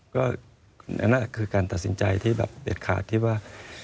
ก็อันนั้นคือการตัดสินใจที่แบบเด็ดขาดคิดว่า